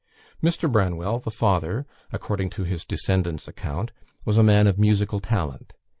Mr. Branwell, the father, according to his descendants' account, was a man of musical talent.